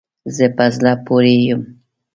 زه په زړه پوری یم